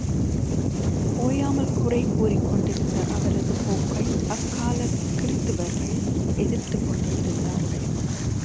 ஓயாமல் குறை கூறி கொண்டிருந்த அவரது போக்கை அக்காலக் கிறித்துவர்கள் எதிர்த்துக் கொண்டே இருந்தார்கள்.